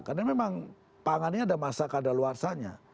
karena memang pangannya ada masa kadar luarsanya